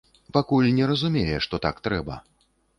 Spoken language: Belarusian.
Пакуль не разумее, што так трэба.